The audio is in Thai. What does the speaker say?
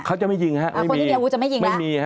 เขาจะไม่ยิงนะฮะไม่มีไม่มีนะฮะ